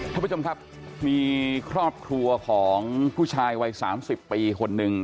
ท่านผู้ชมครับมีครอบครัวของผู้ชายวัย๓๐ปีคนหนึ่ง